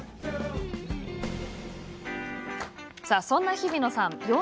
そんな日比野さん